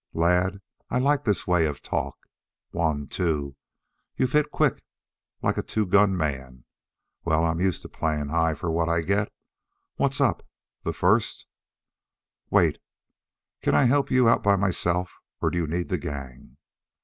"Lad, I like this way of talk. One two you hit quick like a two gun man. Well, I'm used to paying high for what I get. What's up?" "The first " "Wait. Can I help you out by myself, or do you need the gang?"